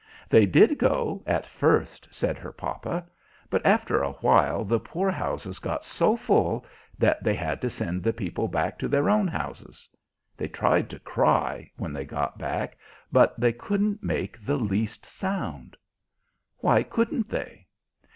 "They did go, at first," said her papa; "but after a while the poor houses got so full that they had to send the people back to their own houses. They tried to cry, when they got back, but they couldn't make the least sound." "Why couldn't they?"